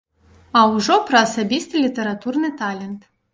А ўжо пра асабісты літаратурны талент.